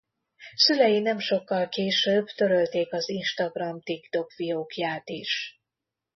Szülei nemsokkal később törölték az instagram- Tik Tok fiókját is.